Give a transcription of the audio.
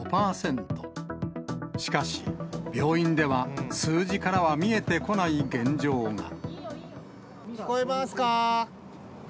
しかし、病院では数字からは見えてこない現状が。